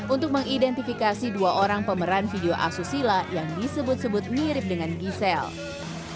untuk mengidentifikasi dua orang pemeran video asusila yang disebut sebut mirip dengan giselle